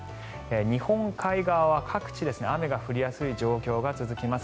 日本海側は各地雨が降りやすい状況が続きます。